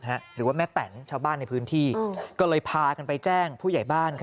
หรือว่าแม่แตนชาวบ้านในพื้นที่ก็เลยพากันไปแจ้งผู้ใหญ่บ้าน